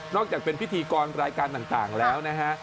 จากเป็นพิธีกรรายการต่างแล้วนะฮะ